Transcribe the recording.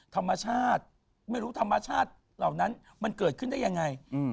ธรรมชาติไม่รู้ธรรมชาติเหล่านั้นมันเกิดขึ้นได้ยังไง